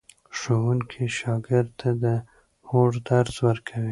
ښوونکی شاګرد ته د هوډ درس ورکوي.